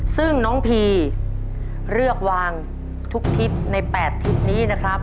ซึ่งน้องพีเลือกวางทุกทิศใน๘ทิศนี้นะครับ